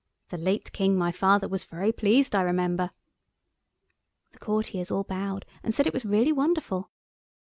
The late King, my father, was very pleased, I remember." The courtiers all bowed, and said it was really wonderful.